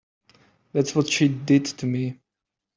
That's what she did to me.